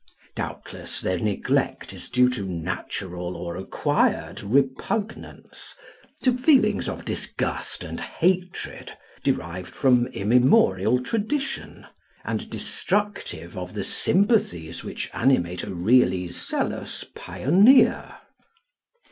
Doubtless their neglect is due to natural or acquired repugnance, to feelings of disgust and hatred, derived from immemorial tradition, and destructive of the sympathies which animate a really zealous pioneer.